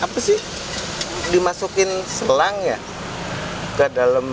jadi dimasukin selangnya ke dalam